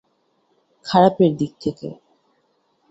খারাপের দিক থেকে।